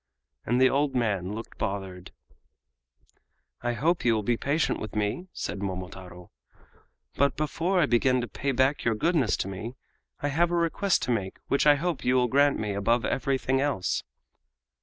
and the old man looked bothered. "I hope you will be patient with me," said Momotaro; "but before I begin to pay back your goodness to me I have a request to make which I hope you will grant me above everything else."